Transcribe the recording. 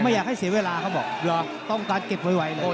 อยากให้เสียเวลาเขาบอกรอต้องการเก็บไวเลย